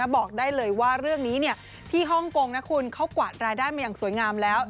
บอกได้เลยว่าเรื่องนี้ที่ฮ่องกงนะคุณเขากวาดรายได้มาอย่างสวยงามแล้ว